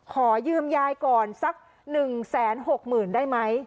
ขอยืมยายก่อนสักหนึ่งแสนหกหมื่นได้ไหม